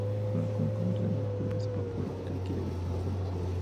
Son un conjunto de máculas y pápulas que adquiere distintas formas.